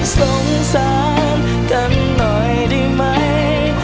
สงสารกันหน่อยดีไหม